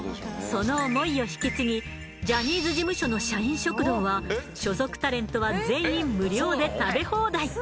その想いを引き継ぎジャニーズ事務所の社員食堂は所属タレントは全員無料で食べ放題。